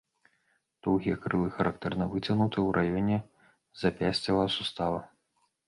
Доўгія крылы характэрна выгнутыя ў раёне запясцевага сустава.